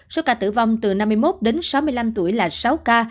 số ca tử vong từ năm mươi một đến sáu mươi năm tuổi là sáu ca